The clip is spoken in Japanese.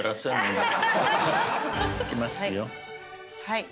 はい。